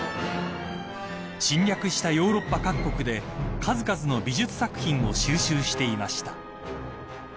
［侵略したヨーロッパ各国で数々の美術作品を収集していました］